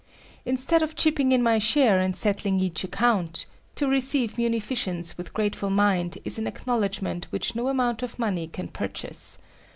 Instead of chipping in my share, and settling each account, to receive munificence with grateful mind is an acknowledgment which no amount of money can purchase.